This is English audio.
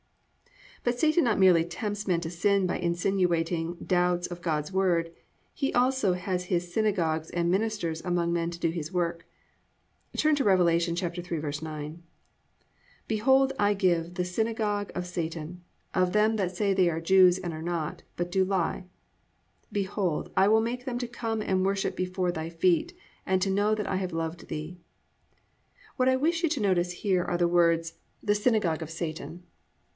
2. But Satan not merely tempts men to sin by insinuating doubts of God's Word, he also has his +synagogues and ministers among men to do his work.+ Turn to Rev. 3:9: +"Behold, I give of the synagogue of Satan, of them that say they are Jews, and are not, but do lie; behold, I will make them to come and worship before thy feet, and to know that I have loved thee."+ What I wish you to notice here are the words, "The synagogue of Satan."